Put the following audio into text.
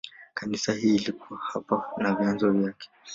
Kanisa hili lilikuwa hapa na vyanzo vyake.